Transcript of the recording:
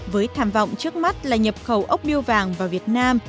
với tham vọng trước mắt là nhập khẩu ốc biêu vàng vào việt nam